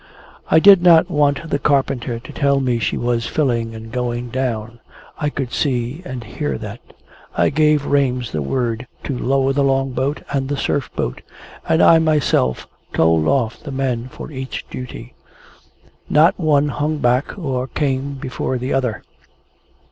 I did not want the carpenter to tell me she was filling and going down; I could see and hear that. I gave Rames the word to lower the Long boat and the Surf boat, and I myself told off the men for each duty. Not one hung back, or came before the other.